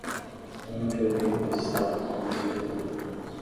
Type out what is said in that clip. Eu não te ouvi, pois estava com fones de ouvido.